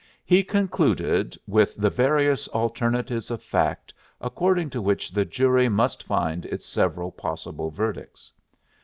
He concluded with the various alternatives of fact according to which the jury must find its several possible verdicts.